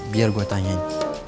biar gue tanyain